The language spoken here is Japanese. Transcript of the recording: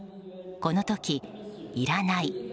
この時、いらない。